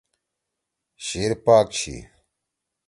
شیِر پاک چھی۔